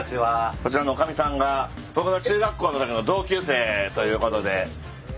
こちらの女将さんが僕の中学校のときの同級生ということで。へ。